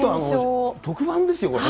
特番ですよ、これ。